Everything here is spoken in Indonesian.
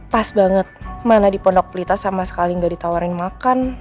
pas banget mana di pondok pelita sama sekali nggak ditawarin makan